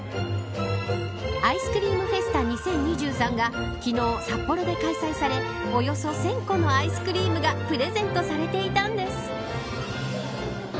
アイスクリームフェスタ２０２３が昨日、札幌で開催されおよそ１０００個のアイスクリームがプレゼントされていたんです。